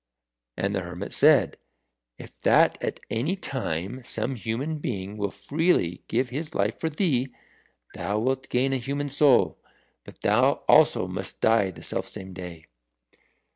And the hermit said, "If that at any time some human being will freely give his life for thee, thou wilt gain a human soul. But thou also must die the selfsame day."